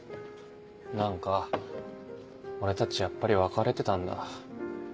何か俺たちやっぱり別れてたんだ